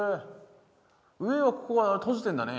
上はここは閉じてんだね